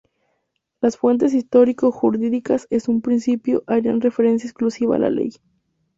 Las fuentes histórico-jurídicas, en un principio, harían referencia exclusiva a la ley.